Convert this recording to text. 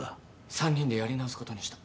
３人でやり直すことにした。